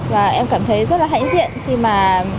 và em cảm thấy rất là hãnh diện khi mà